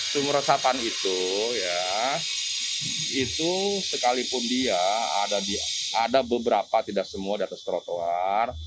sumur resapan itu ya itu sekalipun dia ada beberapa tidak semua di atas trotoar